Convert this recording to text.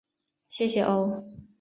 谢谢哦